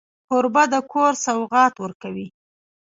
کوربه د کور سوغات ورکوي.